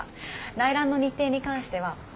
内覧の日程に関しては。